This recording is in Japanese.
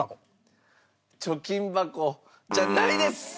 貯金箱じゃないです。